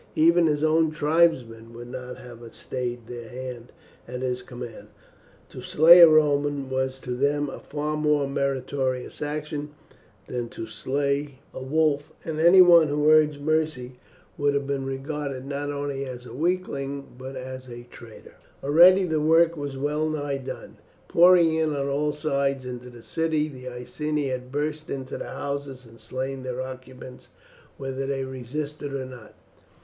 Even his own tribesmen would not have stayed their hand at his command. To slay a Roman was to them a far more meritorious action than to slay a wolf, and any one who urged mercy would have been regarded not only as a weakling but as a traitor. Already the work was well nigh done. Pouring in on all sides into the city the Iceni had burst into the houses and slain their occupants whether they resisted or not.